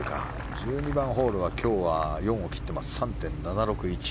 １２番ホールは今日は４を切っています３．７６１。